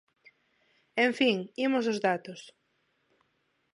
En fin, imos aos datos.